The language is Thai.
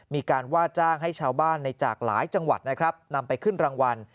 มีการว่าจ้างให้ชาวบ้านในจากหลายจังหวัดนะครับนำไปขึ้นรางวัล